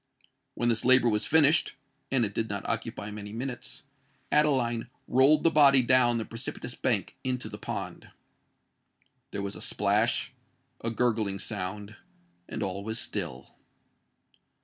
When this labour was finished,—and it did not occupy many minutes,—Adeline rolled the body down the precipitous bank into the pond. There was a splash—a gurgling sound; and all was still.